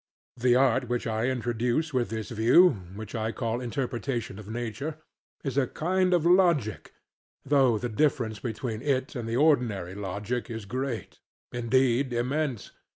The art which I introduce with this view (which I call Interpretation of Nature) is a kind of logic; though the difference between it and the ordinary logic is great; indeed immense.